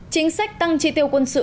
chính sách tăng tri tiêu quân sự